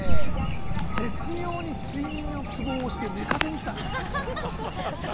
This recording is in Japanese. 絶妙に睡眠のツボを押して、寝かせに来たんじゃないですか？